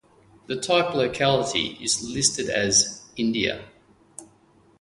The type locality is listed as "India".